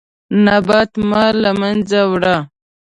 نبات مه له منځه وړه.